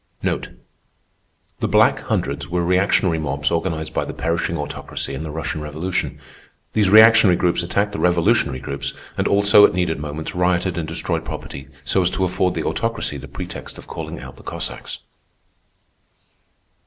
The Black Hundreds were reactionary mobs organized by the perishing Autocracy in the Russian Revolution. These reactionary groups attacked the revolutionary groups, and also, at needed moments, rioted and destroyed property so as to afford the Autocracy the pretext of calling out the Cossacks.